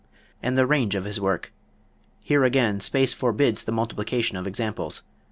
And the range of his work here again space forbids the multiplication of examples.